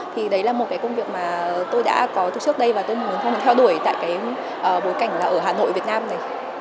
thì đấy là một công việc mà tôi đã có từ trước đây và tôi muốn theo đuổi tại bối cảnh ở hà nội việt nam này